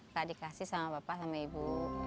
tak dikasih sama bapak sama ibu